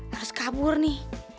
harus kabur nih